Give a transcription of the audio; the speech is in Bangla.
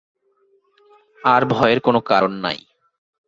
আর ভয়ের কোন কারণ নাই।